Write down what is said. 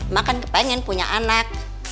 makan kepengen punya anak